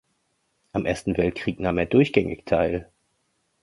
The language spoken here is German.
Am Ersten Weltkrieg nahm er durchgängig teil.